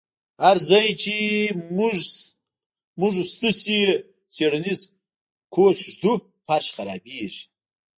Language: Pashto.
هر ځای چې موږ ستاسو څیړنیز کوچ ږدو فرش خرابیږي